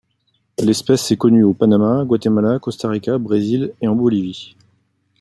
L'espèce est connue au Panama, Guatemala, Costa Rica, Brésil et en Bolivie.